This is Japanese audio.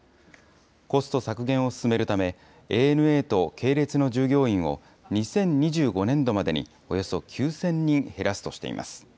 コスト削減を進めるため、ＡＮＡと系列の従業員を２０２５年度までにおよそ９０００人減らすとしています。